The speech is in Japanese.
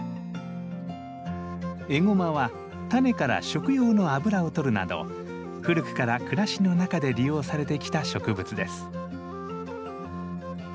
エゴマはタネから食用の油をとるなど古くから暮らしの中で利用されてきた植物です。